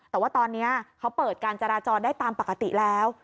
แต่ว่าตอนนี้เขาเปิดการจราจรได้ตามปกติแล้ว